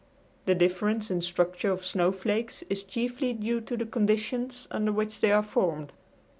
The difference in structure of snowflakes is chiefly due to the conditions under which they are formed.